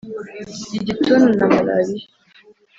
igituntu na malariya.